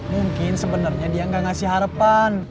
mungkin sebenernya dia gak ngasih harapan